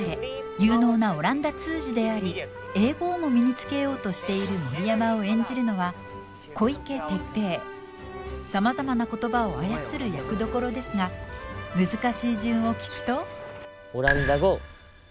有能なオランダ通詞であり英語をも身につけようとしている森山を演じるのはさまざまな言葉を操る役どころですが難しい順を聞くと？